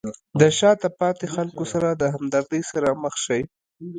د شاته پاتې خلکو سره د همدردۍ سره مخ شئ.